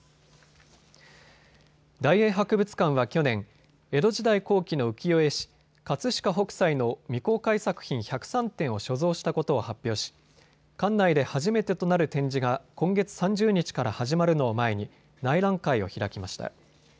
大英博物館は去年、江戸時代後期の浮世絵師、葛飾北斎の未公開作品１０３点を所蔵したことを発表し館内で初めてとなる展示が今月３０日から始まるのを前に内覧会を開きました。